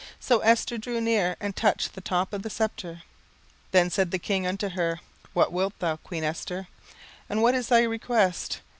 So Esther drew near, and touched the top of the sceptre. 17:005:003 Then said the king unto her, What wilt thou, queen Esther? and what is thy request?